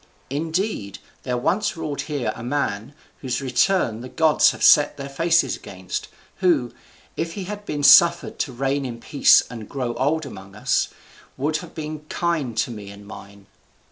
Indeed, there once ruled here a man, whose return the gods have set their faces against, who, if he had been suffered to reign in peace and grow old among us, would have been kind to me and mine.